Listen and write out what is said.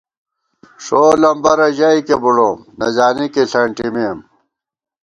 ݭو لَمبَرہ ژَئیکے بُڑوم ، نہ زانِکے ݪَنٹِمېم